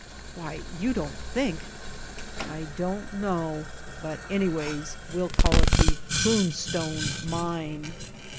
"Why, you don't think " "I don't know. But anyways, we'll call it the Prune Stone Mine."